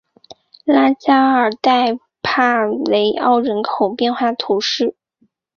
拉加尔代帕雷奥人口变化图示